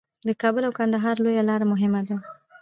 د کابل او کندهار لویه لار مهمه ده